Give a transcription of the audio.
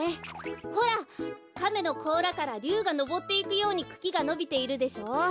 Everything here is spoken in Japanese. ほらかめのこうらからりゅうがのぼっていくようにくきがのびているでしょう。